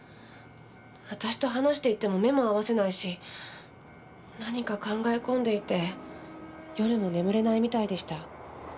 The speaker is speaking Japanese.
私と話していても目も合わせないし何か考え込んでいて夜も眠れないみたいでした。